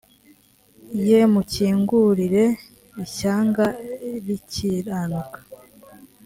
ye mukingurire ishyanga rikiranuka